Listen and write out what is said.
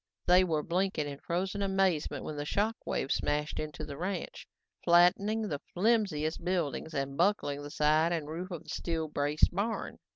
They were blinking in frozen amazement when the shock wave smashed into the ranch, flattening the flimsier buildings and buckling the side and roof of the steel braced barn.